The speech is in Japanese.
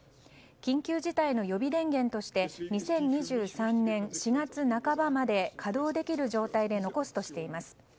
緊急事態の予備電源として２０２３年４月半ばまで稼働できる状態で残すとしています。